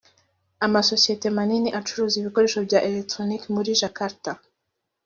amasosiyeti manini acuruza ibikoresho bya elegitoroniki muri jakarta